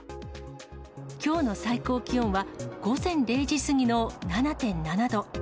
きょうの最高気温は午前０時過ぎの７．７度。